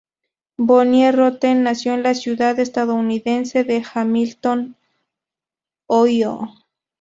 Bonnie Rotten nació en la ciudad estadounidense de Hamilton, Ohio.